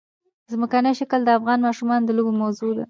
ځمکنی شکل د افغان ماشومانو د لوبو موضوع ده.